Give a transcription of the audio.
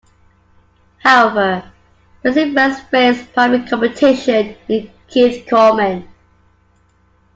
However, Blessing first faced primary competition in Keith Corman.